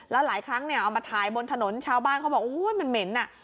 แล้วหลายครั้งเนี่ยเอามาถ่ายบนถนนชาวบ้านเขาบอกโอ้ยมันเหม็นอ่ะ